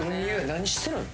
何してるん？